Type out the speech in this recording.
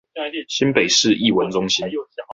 新北市藝文中心